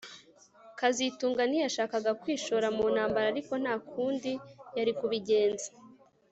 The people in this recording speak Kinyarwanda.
kazitunga ntiyashakaga kwishora mu ntambara ariko nta kundi yari kubigenza